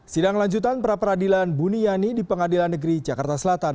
sidang lanjutan perapradilan buniyani di pengadilan negeri jakarta selatan